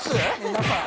皆さん。